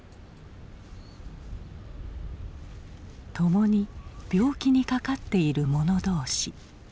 共に病気にかかっている者同士。